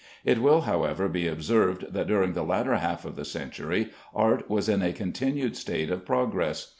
It will, however, be observed, that during the latter half of the century, art was in a continued state of progress.